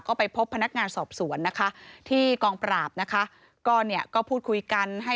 ก็ไปพบพนักงานสอบสวนนะคะที่กองปราบนะคะก็เนี่ยก็พูดคุยกันให้